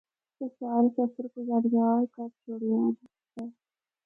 اے سارے سفر کو یادگار کر چُھڑدا ہے۔